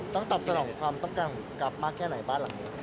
ต้องตอบสนองความต้องการกลับมากแค่ไหนบ้านหลังนี้